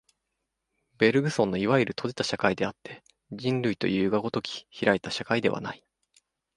ベルグソンのいわゆる閉じた社会であって、人類というが如き開いた社会ではない。